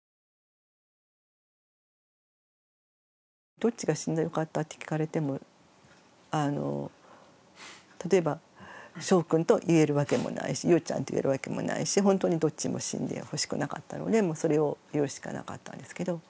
「どっちが死んだらよかった？」って聞かれても例えばしょうくんと言えるわけもないしゆうちゃんと言えるわけもないし本当にどっちも死んでほしくなかったのでそれを言うしかなかったんですけど。